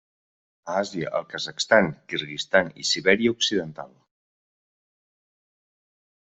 A Àsia al Kazakhstan, Kirguizistan i Sibèria occidental.